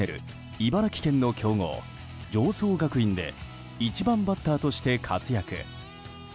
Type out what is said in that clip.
茨城県の強豪、常総学院で１番バッターとして活躍。